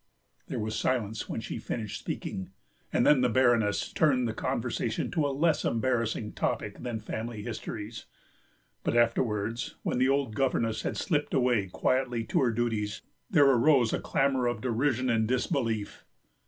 There was silence when she finished speaking, and then the Baroness turned the conversation to a less embarrassing topic than family histories. But afterwards, when the old governess had slipped away quietly to her duties, there arose a clamour of derision and disbelief.